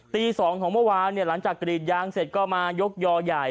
ตี๒ของเมื่อวานหลังจากกรีดยางเสร็จก็มายกยอใหญ่